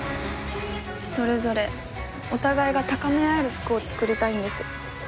それぞれお互いが高め合える服を作りたいんです